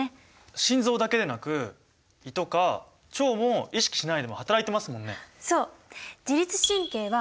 心臓だけでなく胃とか腸も意識しないでもはたらいてますもんね。